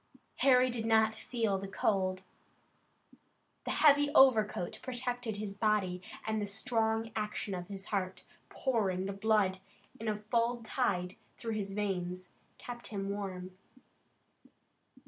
Harry did not feel the cold. The heavy overcoat protected his body, and the strong action of the heart, pouring the blood in a full tide through his veins, kept him warm.